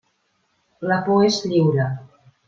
La por és lliure.